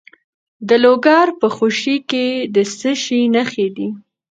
د لوګر په خوشي کې د څه شي نښې دي؟